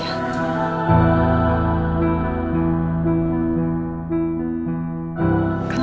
yang salah papa